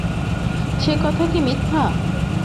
সে কথা কি মিথ্যা?